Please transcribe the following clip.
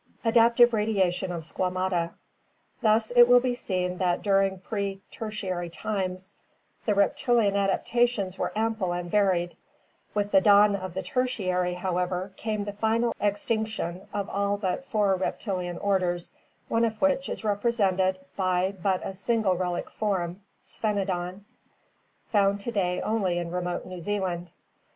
Adaptive Radiation of Squamata. — Thus it will be seen that REPTILES AND DINOSAURS 501 during pre Tertiary times the reptilian adaptations were ample and varied; with the dawn of the Tertiary, however, came the final extinction of all but four reptilian orders, one of which is repre sented by but a single relic form (Sphenodon) found to day only in remote New Zealand.